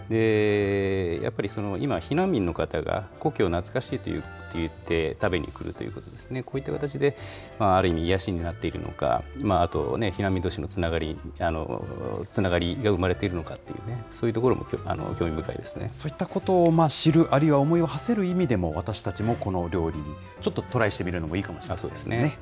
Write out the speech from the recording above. やっぱり今、避難民の方が故郷を懐かしいと言って、食べに来るということですね、こういった形で、ある意味、癒やしになっているのか、あと避難民どうしのつながりが生まれているのかという、そういったことを知る、あるいは思いをはせる意味でも、私たちもこの料理に、ちょっとトライしてみるのもいいかもしれませんね。